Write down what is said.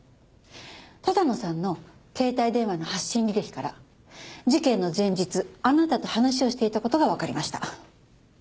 多田野さんの携帯電話の発信履歴から事件の前日あなたと話をしていた事がわかりました。